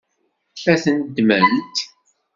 Ad tent-ddment?